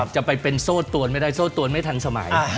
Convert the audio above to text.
จะไปเป็นโทรตูนไม่ทันสมัย